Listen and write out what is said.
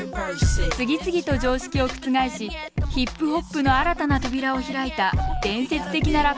次々と常識を覆しヒップホップの新たな扉を開いた伝説的なラッパーです